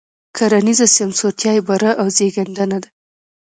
کرنیزه سمسورتیا یې بره او زېږنده ده.